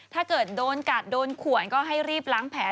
ถ้าเกิดโดนกัดโดนขวนก็ให้รีบล้างแผล